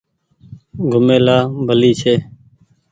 گھومي لآ ڀلي ڇي۔